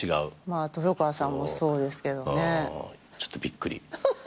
まあ豊川さんもそうですけどね。ちょっとびっくり。